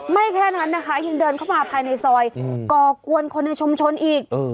แค่นั้นนะคะยังเดินเข้ามาภายในซอยก่อกวนคนในชุมชนอีก